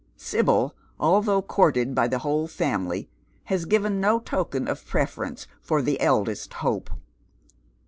Sibyl, although courtod by the whole family, has given no token of preference for tlie eldest hope.